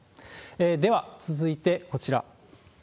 では、続いてこちら。